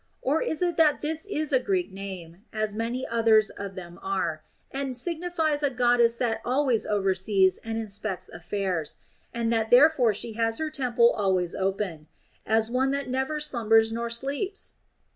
Or is it that this is a Greek name, as many others of them are, and signifies a Goddess that always oversees and inspects affairs ; and that therefore she has her temple always open, as one that never slumbers nor sleeps